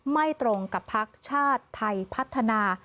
ไม่ตรงกับพักชาติไทยพัฒนา